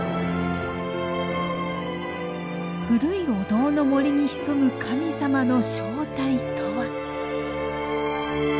古いお堂の森に潜む神様の正体とは？